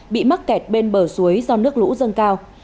bị mắc kẹt bên bờ suối do nước lũ dâng cao